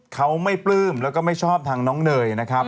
เขาไม่ปลื้มแล้วก็ไม่ชอบทางน้องเนยนะครับ